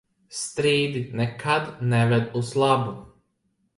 Strīdi nekad neved uz labu.